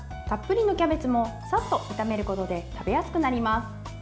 たっぷりのキャベツもさっと炒めることで食べやすくなります。